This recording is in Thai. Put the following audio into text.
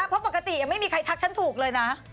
เพราะปกติยังไม่มีใครทักฉันถูกเลยนะ